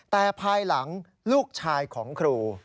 แต่ภายหลังลูกชายของครู